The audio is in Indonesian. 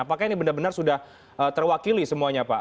apakah ini benar benar sudah terwakili semuanya pak